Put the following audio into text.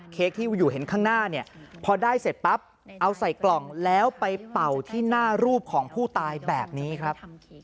เค้กที่อยู่เห็นข้างหน้าเนี่ยพอได้เสร็จปั๊บเอาใส่กล่องแล้วไปเป่าที่หน้ารูปของผู้ตายแบบนี้ครับ